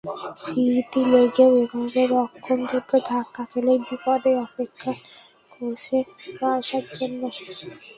ফিরতি লেগেও এভাবে রক্ষণদুর্গে ধাক্কা খেলে বিপদই অপেক্ষা করছে বার্সার জন্য।